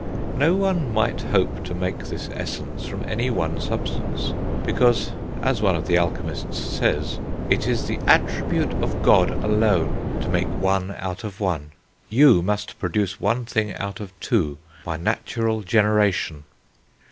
No one might hope to make this essence from any one substance, because, as one of the alchemists says, "It is the attribute of God alone to make one out of one; you must produce one thing out of two by natural generation."